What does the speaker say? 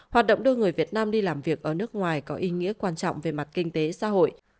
hoạt động đưa người việt nam đi làm việc ở nước ngoài có ý nghĩa quan trọng về mặt kinh tế xã hội